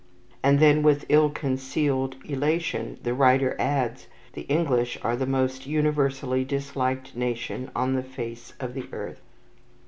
And then, with ill concealed elation, the writer adds: "The English are the most universally disliked nation on the face of the earth."